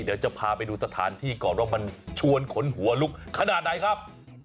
เดี๋ยวจะพาไปดูสถานที่ก่อนว่ามันชวนขนหัวลุกขนาดไหนครับ